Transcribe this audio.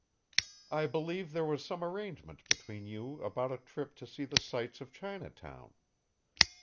"I believe there was some arrangement between you about a trip to see the sights of Chinatown.